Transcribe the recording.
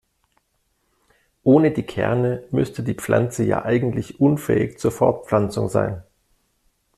Ohne die Kerne müsste die Pflanze ja eigentlich unfähig zur Fortpflanzung sein.